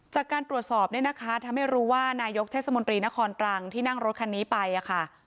จากการตรวจสอบเนี่ยนะคะทำให้รู้ว่านายกเทศมนตรีนครตรังที่นั่งรถคันนี้ไปค่ะ